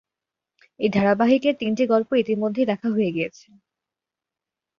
এই ধারাবাহিকের তিনটি গল্প ইতিমধ্যেই লেখা হয়ে গিয়েছে।